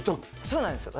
そうなんですよ